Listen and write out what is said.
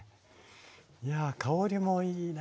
いや香りもいいなぁ。